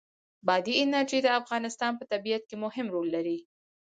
بادي انرژي د افغانستان په طبیعت کې مهم رول لري.